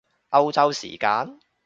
歐洲時間？